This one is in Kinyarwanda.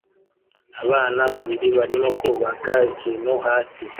Abana babiri barimo kubaka ikintu hasi